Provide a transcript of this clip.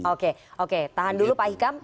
oke oke tahan dulu pak hikam